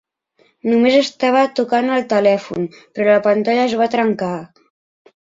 Només estava tocant el telèfon, però la pantalla es va trencar.